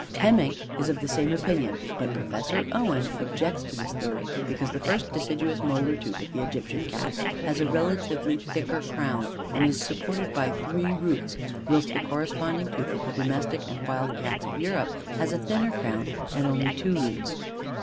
Temminck is of the same opinion; but Professor Owen objects to this theory, because the first deciduous molar tooth of the Egyptian Cat has a relatively thicker crown, and is supported by three roots, whilst the corresponding tooth of the domestic and wild Cat of Europe has a thinner crown, and only two roots.